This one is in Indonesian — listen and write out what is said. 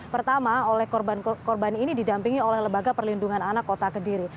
pertama oleh korban korban ini didampingi oleh lembaga perlindungan anak kota kediri